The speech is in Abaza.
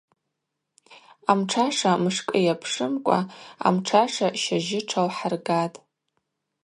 Амтшаша Мышкӏы йапшымкӏва амтшаша щажьы тшалхӏыргатӏ.